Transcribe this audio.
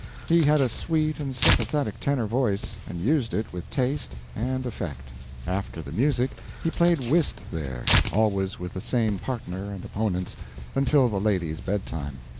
He had a sweet and sympathetic tenor voice, and used it with taste and effect. After the music he played whist there, always with the same partner and opponents, until the ladies' bedtime.